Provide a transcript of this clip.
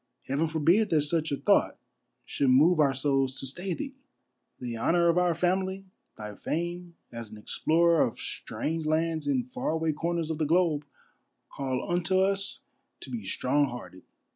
Heaven forbid that such a thought should move our souls to stay thee ! The honor of our family, thy fame as an explorer of strange lands in far away corners of the globe, call unto us to be strong hearted.